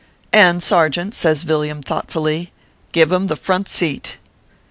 " And, sargent," says Villiam, thoughtfully, "give him the front seat."